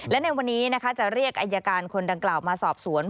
และในวันนี้นะคะจะเรียกอายการคนดังกล่าวมาสอบสวน